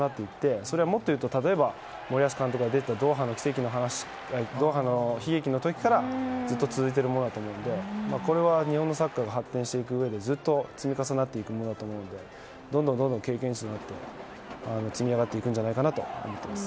それはもっと言うと、例えば森保監督が出ていたドーハの悲劇の時からずっと続いているものだと思うのでこれは日本のサッカーが発展していくうえで、ずっと積み重なっていくものだと思うのでどんどん経験して積み上がっていくんじゃないかと思っています。